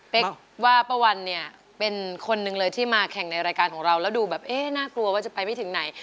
กว่าป้าวันเนี่ยเป็นคนหนึ่งเลยที่มาแข่งในรายการของเราแล้วดูแบบเอ๊ะน่ากลัวว่าจะไปไม่ถึงไหน